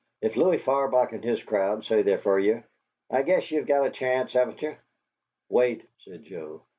"If Louie Farbach and his crowd says they're fer ye, I guess ye've got a chanst, haven't ye?" "Wait," said Joe.